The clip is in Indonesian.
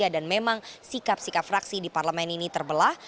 dan memang sikap sikap fraksi di parlemen ini terbelah